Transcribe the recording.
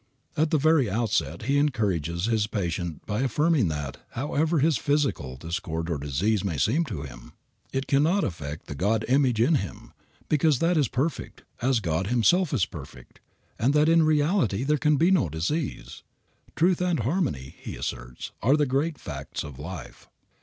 At the very outset he encourages his patient by affirming that, however real his physical discord or disease may seem to him, it cannot affect the God image in him, because that is perfect, as God Himself is perfect, and that in reality there can be no disease. Truth and harmony, he asserts, are the great facts of life.